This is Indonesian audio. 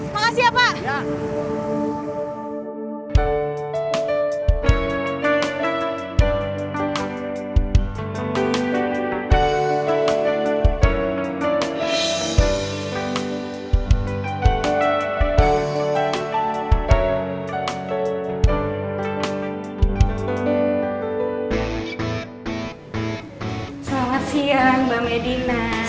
makasih ya pak